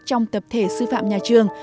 trong tập thể sư phạm nhà trường